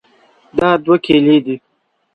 دا دوه کیلې دي.